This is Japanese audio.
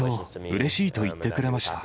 うれしいと言ってくれました。